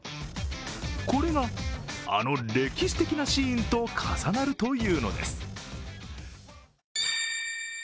これが、あの歴史的なシーンと重なるというのです。